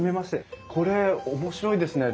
これ面白いですね。